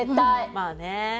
まあね。